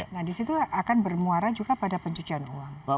nah disitu akan bermuara juga pada pencucian uang